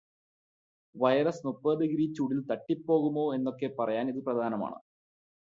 virus മുപ്പത്തു degree ചൂടില് തട്ടി പോകുമോ എന്നൊക്കെ പറയാൻ ഇത് പ്രധാനമാണ്